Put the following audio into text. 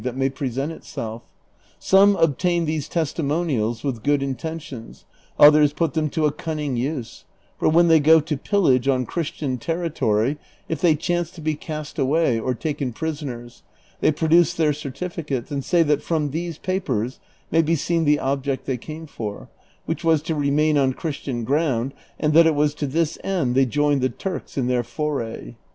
it may present itself. Some obtain tliese testimonials with good intentions, others put them to a cunning use; for wlien they go to pillage on Christian territory, if they chance to be cast away, or taken prisoners, they produce their certificates and say that fnjm these papers may ha seen tiie oljjecit they came for, which was to remain on Ciiristian ground, and that it was to this end they joined the Turks in their foray.